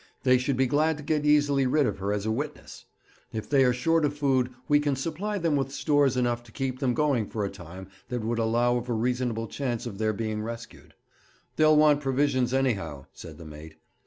They should be glad to get easily rid of her as a witness. If they are short of food, we can supply them with stores enough to keep them going for a time that would allow of a reasonable chance of their being rescued.' 'They'll want provisions, anyhow,' said the mate.